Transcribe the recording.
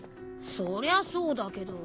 そりゃそうだけど。